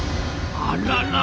あらら！